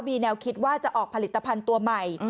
มีแนวคิดว่าจะออกผลิตภัณฑ์ตัวใหม่